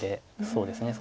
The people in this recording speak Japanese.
そうですね